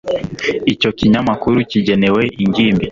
Icyo kinyamakuru kigenewe ingimbi.